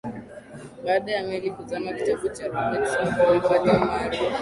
baada ya meli kuzama kitabu cha robertson kilipata umaarufu